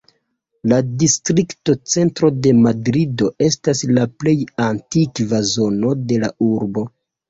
La distrikto Centro de Madrido estas la plej antikva zono de la urbo.